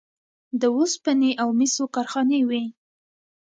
د وسپنې او مسو کارخانې وې